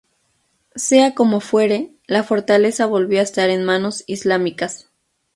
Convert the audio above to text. Sea como fuere, la fortaleza volvió a estar en manos islámicas.